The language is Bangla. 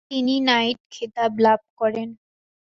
তিনি নাইট খেতাব লাভ করেন।